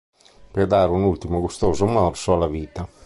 Per dare un ultimo gustoso morso alla vita.